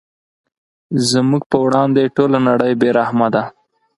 زموږ په وړاندې ټوله نړۍ بې رحمه ده.